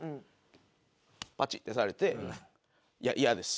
パチッてされて「いや嫌です」。